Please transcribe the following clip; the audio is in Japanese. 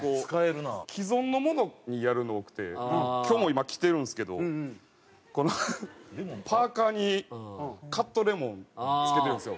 既存のものにやるの多くて今日も今着てるんですけどこのパーカーにカットレモン付けてるんですよ。